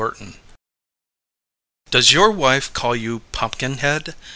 net _Does your wife call you Pumpkinhead?